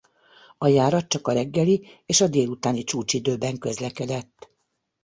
A járat csak a reggeli és a délutáni csúcsidőben közlekedett.